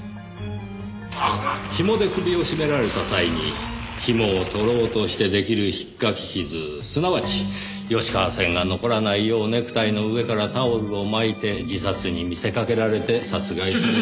ひもで首を絞められた際にひもを取ろうとして出来る引っかき傷すなわち吉川線が残らないようネクタイの上からタオルを巻いて自殺に見せかけられて殺害された。